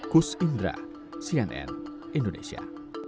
kus indra cnn indonesia